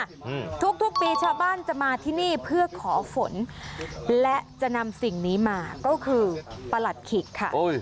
อืมทุกทุกปีชาวบ้านจะมาที่นี่เพื่อขอฝนและจะนำสิ่งนี้มาก็คือประหลัดขิกค่ะโอ้ย